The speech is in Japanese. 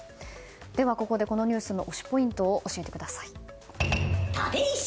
では、ここでこのニュースの推しポイントを教えてください。